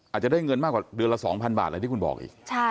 อาจจะได้เงินมากกว่าเดือนละ๒๐๐บาทอะไรที่คุณบอกอีก